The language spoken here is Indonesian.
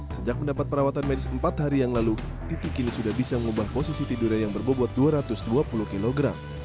sejak mendapat perawatan medis empat hari yang lalu titi kini sudah bisa mengubah posisi tidurnya yang berbobot dua ratus dua puluh kg